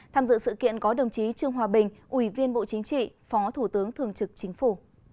tham dự sự kiện có đồng chí trương hòa bình ủy viên bộ chính trị phó thủ tướng thường trực chính phủ